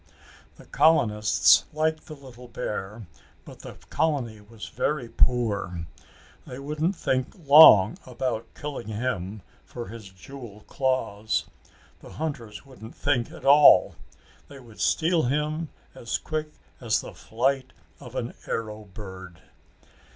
The colonists liked the little bear but the colony was very poor. They wouldn't think long about killing him for his jewel claws. The hunters wouldn't think at all. They would steal him as quick as the flight of an arrow bird.